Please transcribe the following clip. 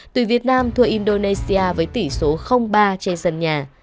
từ việt nam thua indonesia với tỷ số ba trên sân nhà